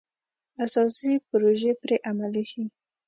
اساسي پروژې پرې عملي شي.